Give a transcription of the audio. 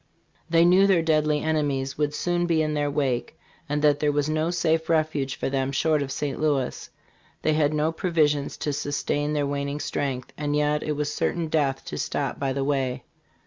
They knew their deadly enemies would soon be in their wake, and that there was no safe refuge for them short of St. Louis. They had no provisions to sustain their waning strength, and yet it was cer tain death to stop by the way.